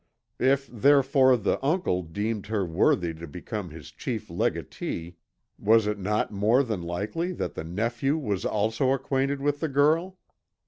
If therefore the uncle deemed her worthy to become his chief legatee, was it not more than likely that the nephew was also acquainted with the girl?